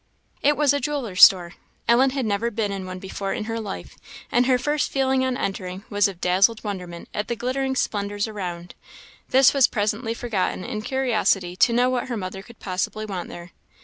It was a jeweller's store. Ellen had never been in one before in her life, and her first feeling on entering was of dazzled wonderment at the glittering splendours around; this was presently forgotten in curiosity to know what her mother could possibly want there.